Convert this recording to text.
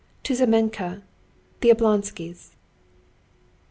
"To Znamenka, the Oblonskys'."